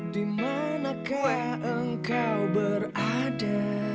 dimanakah engkau berada